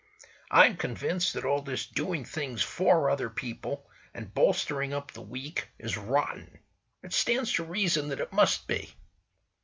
"I'm convinced that all this doing things for other people, and bolstering up the weak, is rotten. It stands to reason that it must be."